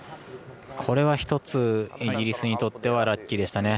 これは１つイギリスにとってはラッキーでした。